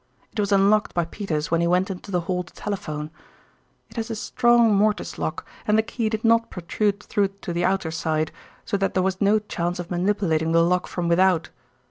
It was unlocked by Peters when he went into the hall to telephone. It has a strong mortice lock and the key did not protrude through to the outer side, so that there was no chance of manipulating the lock from without.